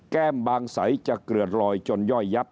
แก้มบางสัยจะเกลือดลอยจนย่อยยับ